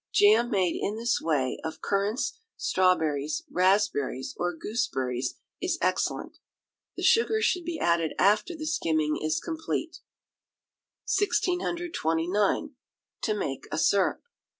Jam made in this way of currants, strawberries, raspberries, or gooseberries, is excellent. The sugar should be added after the skimming is completed. 1629. To make a Syrup.